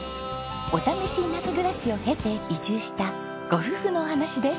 お試し田舎暮らしを経て移住したご夫婦のお話です。